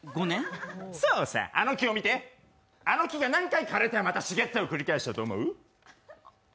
そうさ、あの木を見てあの木が何回枯れて茂ってを繰り返したと思う？